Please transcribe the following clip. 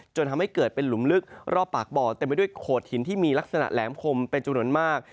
จนทำให้เกิดเป็นหลุมลึกรอบปากบ่อเต็มไปด้วยโขดหินที่มีลักษณะแหลมคมเป็นจำนวนมาก